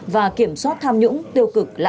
và kiểm soát tham nhũng tiêu cực